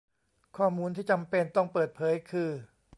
ข้อมูลที่จำเป็นต้องเปิดเผยคือ